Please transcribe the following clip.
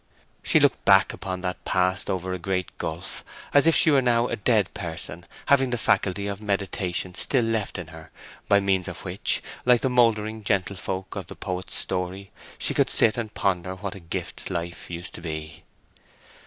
She looked back upon that past over a great gulf, as if she were now a dead person, having the faculty of meditation still left in her, by means of which, like the mouldering gentlefolk of the poet's story, she could sit and ponder what a gift life used to be.